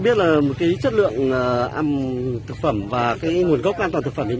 bạn thì cho biết là chất lượng ăn thực phẩm và nguồn gốc an toàn thực phẩm như thế nào